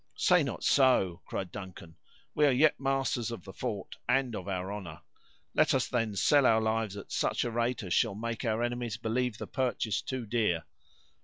"Say not so," cried Duncan; "we are yet masters of the fort, and of our honor. Let us, then, sell our lives at such a rate as shall make our enemies believe the purchase too dear."